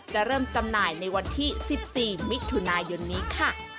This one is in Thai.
เริ่มจำหน่ายในวันที่๑๔มิถุนายนนี้ค่ะ